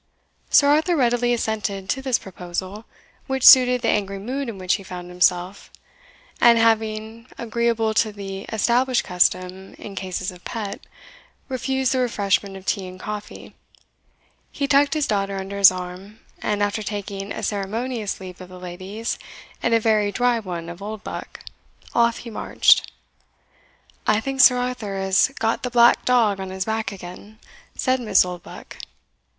Sir Arthur readily assented to this proposal, which suited the angry mood in which he found himself; and having, agreeable to the established custom in cases of pet, refused the refreshment of tea and coffee, he tucked his daughter under his arm; and after taking a ceremonious leave of the ladies, and a very dry one of Oldbuck off he marched. "I think Sir Arthur has got the black dog on his back again," said Miss Oldbuck.